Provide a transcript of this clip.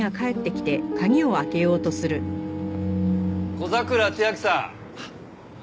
小桜千明さん？